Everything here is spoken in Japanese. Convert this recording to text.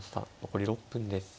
残り６分です。